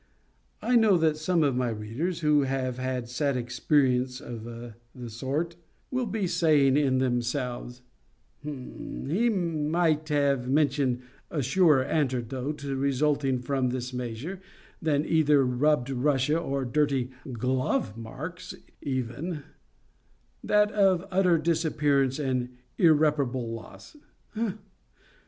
—I know that some of my readers, who have had sad experience of the sort, will be saying in themselves, "He might have mentioned a surer antidote resulting from this measure, than either rubbed Russia or dirty GLOVE marks even—that of utter disappearance and irreparable loss."